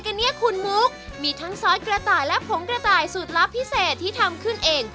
มาดูน้ำซุปกันน้ำซุปใส่อะไรบ้าง